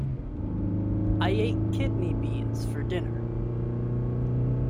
I ate Kidney beans for dinner.